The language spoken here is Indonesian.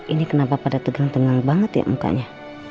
ini kenapa pada tegang tenggeng banget ya mukanya